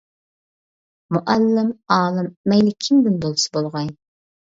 مۇئەللىم، ئالىم. مەيلى كىمدىن بولسا بولغاي.